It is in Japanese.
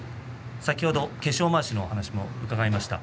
化粧まわしのお話も伺いました。